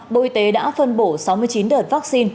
bộ y tế đã phân bổ sáu mươi chín đợt vaccine